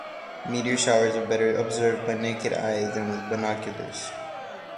Meteor showers are better observed by naked eye than with binoculars.